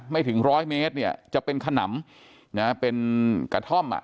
ถึงร้อยเมตรเนี่ยจะเป็นขนำนะเป็นกระท่อมอ่ะ